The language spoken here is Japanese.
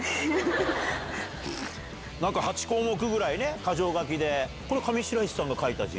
８項目ぐらい箇条書きでこれ上白石さんが書いた字？